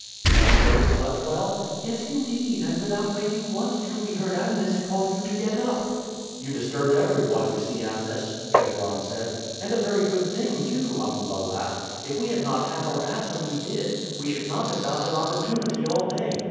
"And you both slept well?" "Yes, indeed, and without waking once till we heard Amnis call you to get up." "You disturbed everyone, you see, Amnis," Chebron said. "And a very good thing too," Amuba laughed. "If we had not had our bath when we did, we should not have got an opportunity all day.